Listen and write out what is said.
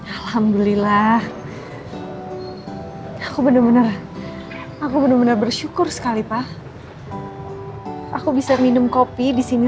alhamdulillah aku bener bener aku bener bener bersyukur sekali pak aku bisa minum kopi di sini